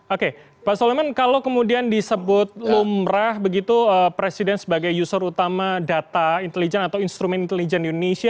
oke pak soleman kalau kemudian disebut lumrah begitu presiden sebagai user utama data intelijen atau instrumen intelijen di indonesia